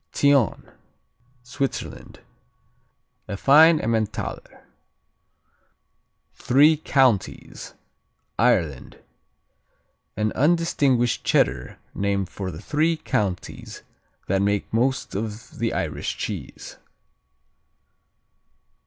Thion Switzerland A fine Emmentaler. Three Counties Ireland An undistinguished Cheddar named for the three counties that make most of the Irish cheese.